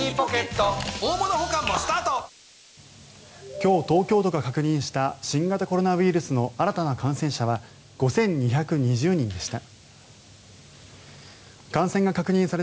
今日、東京都が確認した新型コロナウイルスの新たな感染者は５２２０人でした。